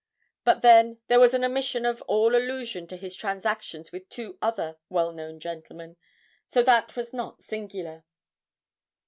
But, then, there was an omission of all allusion to his transactions with two other well known gentlemen. So that was not singular.'